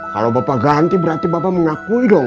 kalau bapak ganti berarti bapak mengakui dong